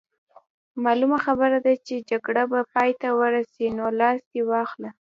معلومه خبره ده چې جګړه به پای ته ورسي، نو لاس دې واخلي.